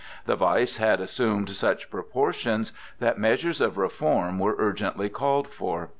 The vice had assumed such proportions that measures of reform were urgently called for.